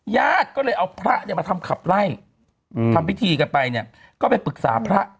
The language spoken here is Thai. ญาติก็เลยเอาพระเนี่ยมาทำขับไล่ทำพิธีกันไปเนี่ยก็ไปปรึกษาพระ